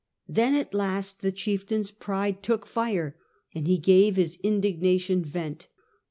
Then at last the chieftain's pride took fire and he gave his indignation vent.